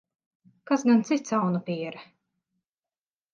Kas gan cits, aunapiere?